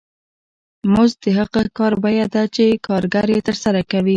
مزد د هغه کار بیه ده چې کارګر یې ترسره کوي